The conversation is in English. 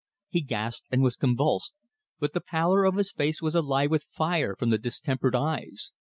He gasped and was convulsed, but the pallor of his face was alive with fire from the distempered eyes.